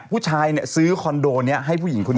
ผู้ชายเนี่ยซื้อคอนโดนี้ให้ผู้หญิงคนนี้